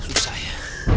untuk hamba saya